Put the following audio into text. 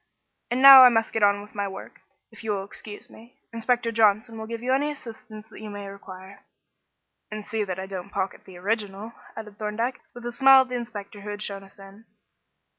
And now I must get on with my work, if you will excuse me. Inspector Johnson will give you any assistance you may require." "And see that I don't pocket the original," added Thorndyke, with a smile at the inspector who had shown us in.